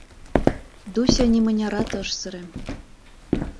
Дуся нимынярат ыш сыре.